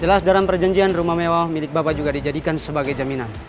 jelas dalam perjanjian rumah mewah milik bapak juga dijadikan sebagai jaminan